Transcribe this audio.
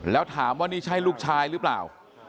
แล้วถามว่านี่ใช่ลูกชายหรือเปล่า